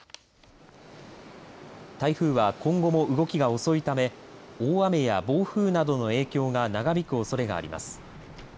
台風は今後も動きが遅いため大雨や暴風などの影響が長引くおそれがあります。